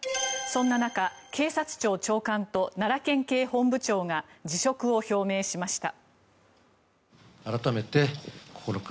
そんな中警察庁長官と奈良県警本部長が辞職を表明しました。